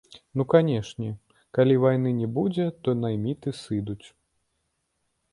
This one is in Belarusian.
Ну канечне, калі вайны не будзе, то найміты сыдуць.